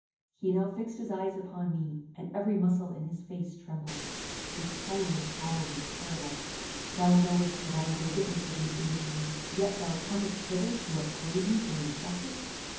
He now fixed his eyes upon me, and every muscle in his face trembled. His tone was hollow and terrible "Thou knowest that I was a witness of your interview, yet thou comest hither to upbraid me for injustice!